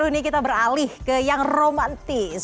ini kita beralih ke yang romantis